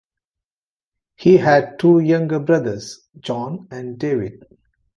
He had two younger brothers, John and David.